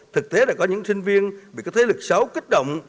thực tế là có những sinh viên bị các thế lực xấu kích động